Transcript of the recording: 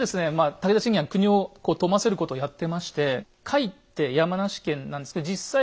武田信玄は国を富ませることをやってまして甲斐って山梨県なんですけど実際は「山あり県」じゃないですか。